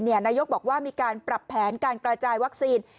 นายกบอกว่ามีการปรับแผนการกระจายวัคซีน